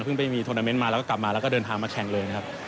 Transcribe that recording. ไปมีโทรนาเมนต์มาแล้วก็กลับมาแล้วก็เดินทางมาแข่งเลยนะครับ